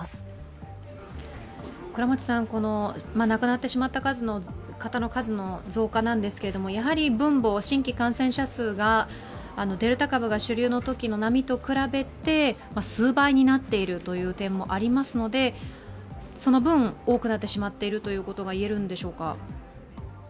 亡くなってしまった方の数の増加なんですけれどもやはり分母、新規感染者数が、デルタ株が主流だったときの波に比べて数倍になっているという点もありますので、その分、多くなってしまっていると言えるんでしょうか？